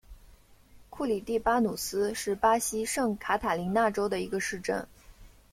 库里蒂巴努斯是巴西圣卡塔琳娜州的一个市镇。